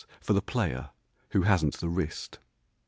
for the player who hasn't the wrist!)